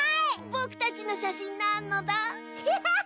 ぼくたちのしゃしんなのだ。